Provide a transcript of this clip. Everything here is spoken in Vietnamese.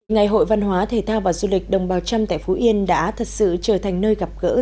ngày hội văn hóa thể thao và du lịch đồng bào trăm tại phú yên đã thật sự trở thành nơi gặp gỡ